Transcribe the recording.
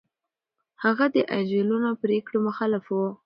هغه د عجولانه پرېکړو مخالف و.